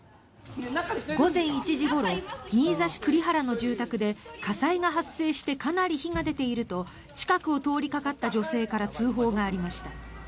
午前１時ごろ新座市栗原の住宅で火災が発生してかなり火が出ていると近くを通りかかった女性から通報がありました。